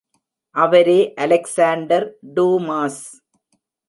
அவரே Alexandre Dumas!